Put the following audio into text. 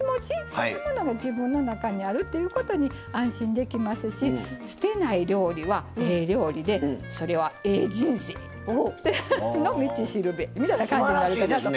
そんなものが自分の中にあるっていうことに安心できますし捨てない料理は「ええ料理」でそれは「ええ人生」の道しるべみたいな感じになるかなと。